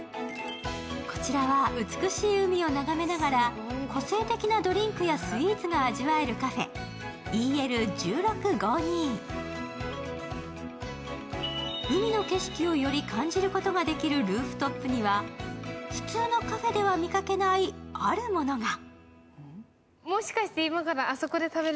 こちらは美しい海を眺めながら個性的なドリンクやスイーツが味わえるカフェＥＬ１６．５２海の景色をより感じることができるルーフトップには、普通のカフェでは見かけないあるものが。